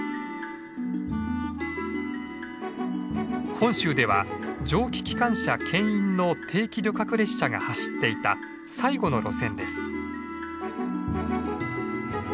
本州では蒸気機関車けん引の定期旅客列車が走っていた最後の路線です。